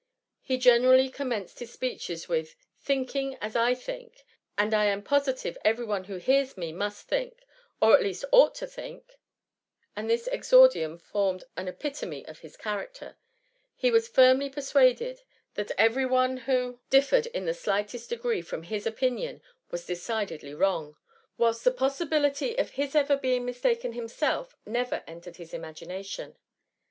He generally commenced his speeches with ^^ Thinking as I think, and as I am positive every one who hears me must think, or at least ought to think ;^ and this exordium formed an epitome of his character ; as he was firmly persuaded that every one who THE MUMMT. 148 differed in the slightest degree from his opinion, was decidedly wrong, whilst the possibility of his ever being mistaken himself never entered his imagination.